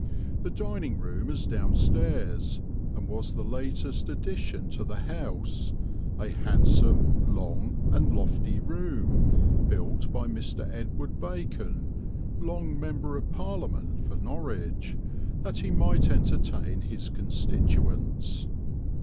The dining room is downstairs, and was the latest addition to the house, a handsome, long and lofty room, built by Mr. Edward Bacon, long M.P. for Norwich, that he might entertain his constituents.